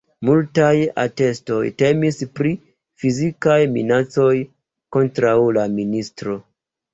Multaj atestoj temis pri fizikaj minacoj kontraŭ la ministro.